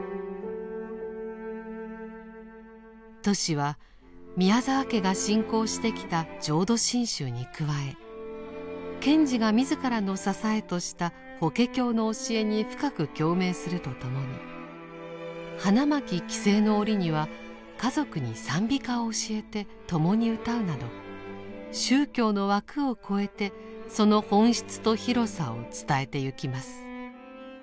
トシは宮沢家が信仰してきた浄土真宗に加え賢治が自らの支えとした「法華経」の教えに深く共鳴するとともに花巻帰省の折には家族に賛美歌を教えて共に歌うなど宗教の枠を超えてその本質と広さを伝えてゆきます。